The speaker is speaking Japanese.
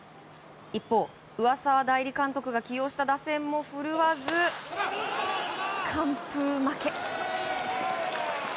一方、上沢代理監督が起用した打線も振るわず、完封負け。